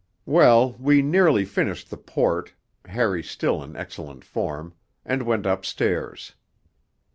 Well, we nearly finished the port Harry still in excellent form and went upstairs.